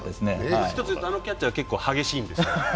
もう１ついうとあのキャッチャー激しいんですよ。